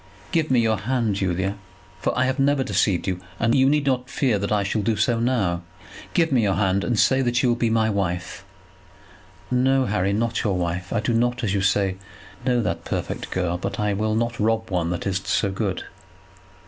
Give me your hand, Julia, for I have never deceived you, and you need not fear that I shall do so now. Give me your hand, and say that you will be my wife." "No, Harry; not your wife. I do not, as you say, know that perfect girl, but I will not rob one that is so good."